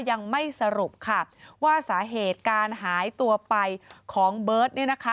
ยังไม่สรุปค่ะว่าสาเหตุการหายตัวไปของเบิร์ต